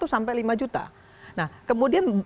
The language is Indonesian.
sampai lima juta nah kemudian